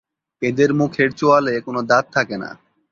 এদের মুখের চোয়ালে কোনো দাঁত থাকে না।